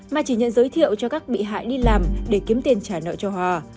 mà chỉ nhận giới thiệu cho các bị hại đi làm để kiếm tiền trả nợ cho hòa